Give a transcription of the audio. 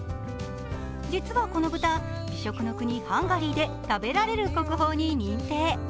実はこの豚、食の国ハンガリーで食べられる国宝に認定。